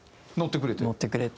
乗ってくれて？